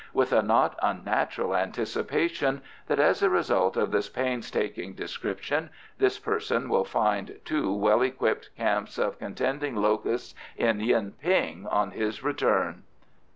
With a not unnatural anticipation that, as a result of this painstaking description, this person will find two well equipped camps of contending locusts in Yuen ping on his return.